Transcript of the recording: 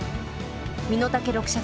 身の丈六尺。